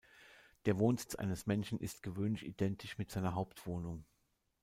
Der Wohnsitz eines Menschen ist gewöhnlich identisch mit seiner Hauptwohnung.